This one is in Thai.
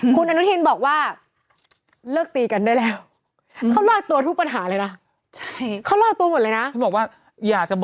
คุณอนุทินบอกว่า